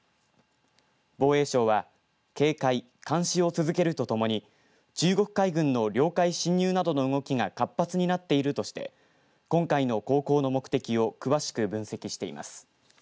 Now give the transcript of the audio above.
防衛省は警戒、監視を続けるとともに中国海軍の領海侵入などの動きが活発になっているとして今回の航行の目的を詳しく分析しています。